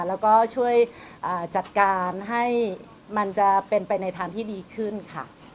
แล้วก็ช่วยจัดการให้มันจะเป็นไปในทางที่ดีขึ้นค่ะ